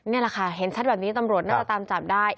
นี่แหละค่ะเห็นชัดแบบนี้ตำรวจน่าจะตามจับได้